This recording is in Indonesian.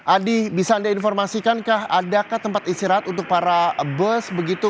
adi bisa anda informasikan kah adakah tempat istirahat untuk para bus begitu